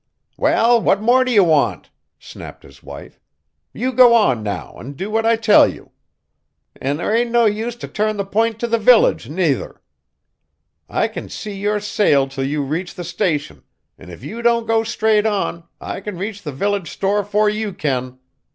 "Well, what more do you want?" snapped his wife. "You go on now, an' do what I tell you. An' there ain't no use t' turn the P'int t' the village, nuther. I kin see your sail till you reach the Station, an' if you don't go straight on, I kin reach the village store 'fore you kin.